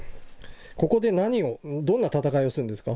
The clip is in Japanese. ここで何をどんな戦いをするんですか？